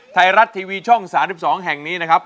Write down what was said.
ไทยรัฐทีวีช่อง๓๒แห่งนี้นะครับ